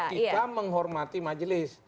kita tidak akan menghormati majelis